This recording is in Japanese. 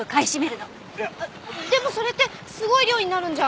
でもそれってすごい量になるんじゃ。